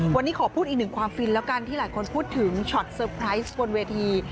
วันนี้ขอพูดอีกหนึ่งความฟินแล้วกันที่หลายคนพูดถึงช็อตเตอร์ไพรส์บนเวที